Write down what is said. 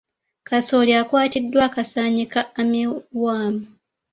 Kasooli akwatiddwa akasaanyi ka armyworm.